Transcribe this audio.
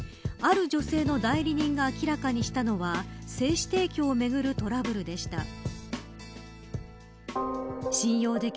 ある女性の代理人が明らかにしたのは精子提供をめぐるトラブルでした。